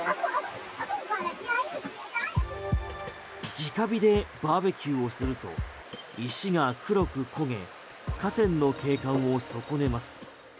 直火でバーベキューをすると石が黒く焦げ河川の景観を損ねます。